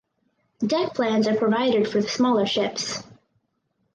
Deck plans are provided for the smaller ships.